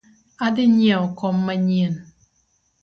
Adhii nyieo kom manyien